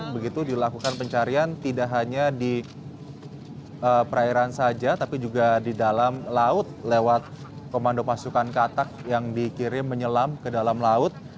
begitu dilakukan pencarian tidak hanya di perairan saja tapi juga di dalam laut lewat komando pasukan katak yang dikirim menyelam ke dalam laut